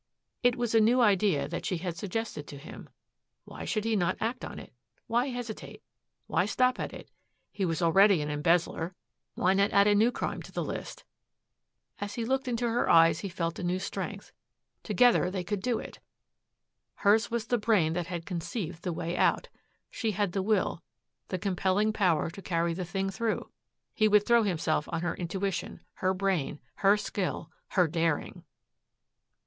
It was a new idea that she had suggested to him. Why should he not act on it? Why hesitate? Why stop at it? He was already an embezzler. Why not add a new crime to the list? As he looked into her eyes he felt a new strength. Together they could do it. Hers was the brain that had conceived the way out. She had the will, the compelling power to carry the thing through. He would throw himself on her intuition, her brain, her skill, her daring.